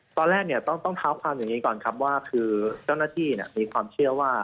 ตอนแรกเนี่ยต้องเท้าความอย่างนี้ก่อนครับว่าคือเจ้าหน้าที่มีความเชื่อว่า